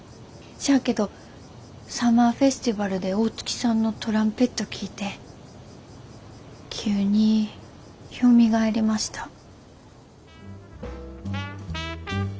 しゃあけどサマーフェスティバルで大月さんのトランペット聴いて急によみがえりました。